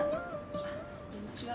あっこんにちは。